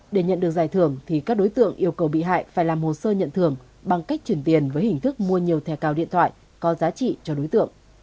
để nhận được giải thưởng thì các đối tượng yêu cầu bị hại phải làm hồ sơ nhận thưởng bằng cách chuyển tiền với hình thức mua nhiều thẻ cào điện thoại có giá trị cho đối tượng